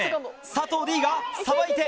佐藤Ｄがさばいて！